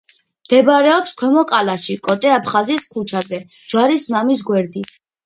მდებარეობს ქვემო კალაში, კოტე აფხაზის ქუჩაზე, ჯვარის მამის გვერდით.